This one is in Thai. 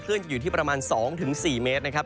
อยู่ที่ประมาณ๒๔เมตรนะครับ